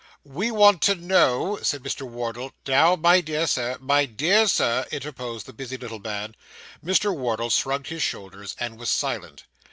'We want to know ' said Mr. Wardle. 'Now, my dear sir my dear sir,' interposed the busy little man. Mr. Wardle shrugged his shoulders, and was silent.